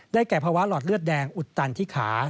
แก่ภาวะหลอดเลือดแดงอุดตันที่ขา